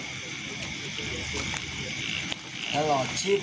ถ้าหล่อชิบ